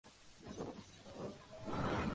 Son susceptibles a las enfermedades fúngicas.